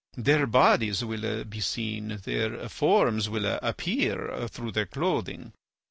Their bodies will be seen; their forms will appear through their clothing.